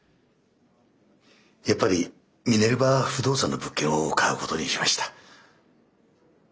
やっぱりミネルヴァ不動産の物件を買うことにしました。